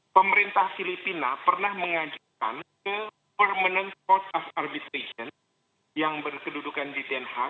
pemerintah filipina pernah mengajukan ke permanent court of arbitration yang berkedudukan di den haa